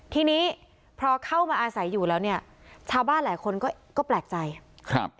ทีนี้พอเข้ามาอาศัยอยู่แล้วเนี่ยชาวบ้านหลายคนก็ก็แปลกใจครับ